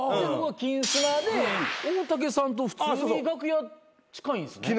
『金スマ』で大竹さんと普通に楽屋近い。